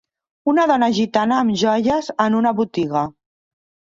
una dona gitana amb joies en una botiga.